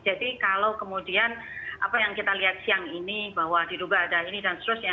jadi kalau kemudian apa yang kita lihat siang ini bahwa di dubai ada ini dan seterusnya